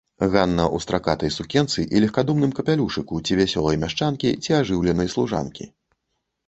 Ганна ў стракатай сукенцы і легкадумным капялюшыку ці вясёлай мяшчанкі, ці ажыўленай служанкі.